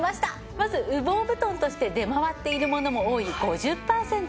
まず羽毛布団として出回っているものも多い５０パーセント。